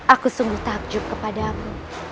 aku sungguh takjub kepadamu